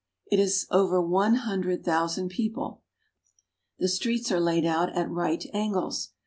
It has over one hundred thousand people. The streets are laid out at right angles.